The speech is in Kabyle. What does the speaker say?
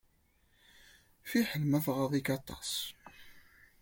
Fiḥel ma tɣaḍ-ik aṭas.